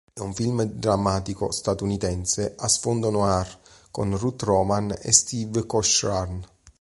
È un film drammatico statunitense a sfondo noir con Ruth Roman e Steve Cochran.